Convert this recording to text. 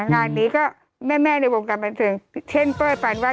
งานนี้ก็แม่ในวงการบรรเทียงเช่นเป้อร์ปันว่า